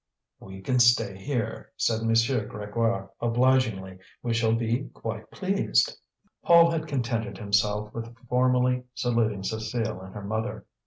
"We can stay here," said M. Grégoire, obligingly. "We shall be quite pleased." Paul had contented himself with formally saluting Cécile and her mother.